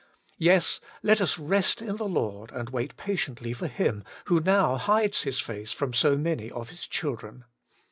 Yes, let us rest in the Lord, and wait patiently for Him who now hides His face from so many of His children.